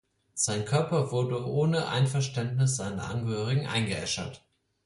Sein Körper wurde ohne Einverständnis seiner Angehörigen eingeäschert.